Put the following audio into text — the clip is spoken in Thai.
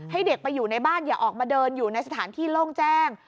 ให้เด็กไปอยู่ในบ้านอย่าออกมาเดินอยู่ในสถานที่โล่งแจ้ง